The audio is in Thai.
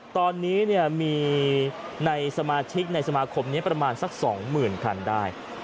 ตอนนี้มีในสมาชิกในสมาคมนี้ประมาณสัก๒๐๐๐คันได้